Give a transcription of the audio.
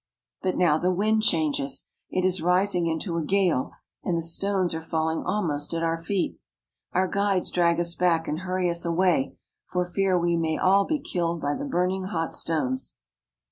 But now the wind changes. It is rising into a gale, and the stones are falling almost at our feet. Our guides drag us back and hurry us away, for fear we may all be killed by the burning hot stones.